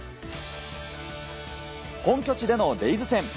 本拠地でのレイズ戦。